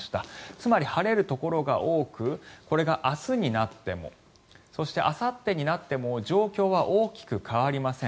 つまり晴れるところが多くこれが明日になってもそして、あさってになっても状況は大きく変わりません。